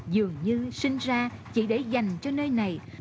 dường như sinh ra chỉ để dành cho nơi này